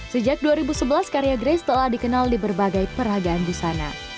sejak dua ribu sebelas karya grace telah dikenal di berbagai peragaan busana